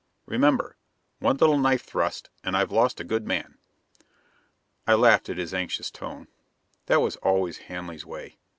Remember: one little knife thrust and I've lost a good man!" I laughed at his anxious tone. That was always Hanley's way.